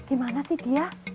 gimana sih dia